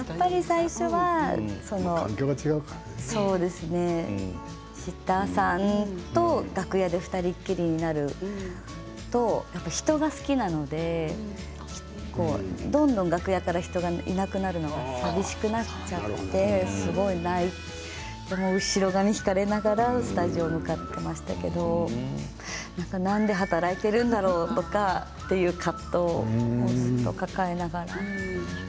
最初はシッターさんと楽屋で２人きりになると人が好きなのでどんどん楽屋から人がいなくなっていくのが寂しくなってしまってすごく泣いてしまって後ろ髪引かれながらスタジオに向かっていましたけどなんで働いてるんだろうとかという葛藤も抱えながら。